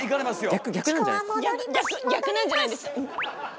「逆なんじゃないですか」。